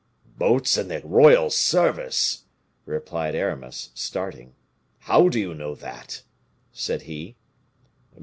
"Boats in the royal service?" replied Aramis, starting. "How do you know that?" said he.